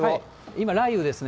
今、雷雨ですね。